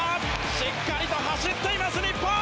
しっかりと走っています、日本。